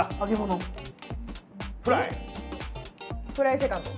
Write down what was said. フライセカンド？